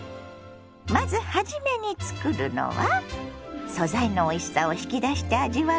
まず初めに作るのは素材のおいしさを引き出して味わう